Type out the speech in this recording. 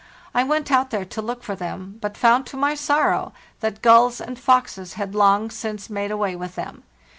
I went out there to look for them, but found, to my sorrow, that gulls and foxes had long since made away with them.